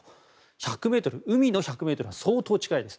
１００ｍ、海の１００ｍは相当近いです。